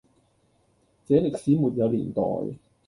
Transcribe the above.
這歷史沒有年代，